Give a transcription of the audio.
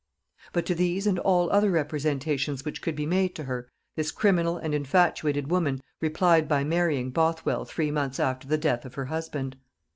] But to these and all other representations which could be made to her, this criminal and infatuated woman replied by marrying Bothwell three months after the death of her husband.